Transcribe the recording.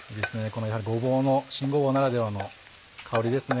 やはりごぼうの新ごぼうならではの香りですね。